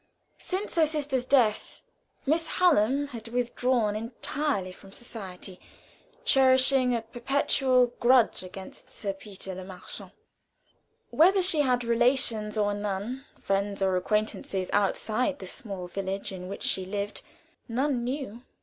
Since her sister's death, Miss Hallam had withdrawn entirely from society, cherishing a perpetual grudge against Sir Peter Le Marchant. Whether she had relations or none, friends or acquaintance outside the small village in which she lived, none knew.